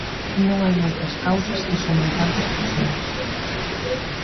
Non hai moitas causas que sumen tantas persoas.